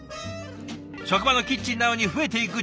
職場のキッチンなのに増えていく調味料。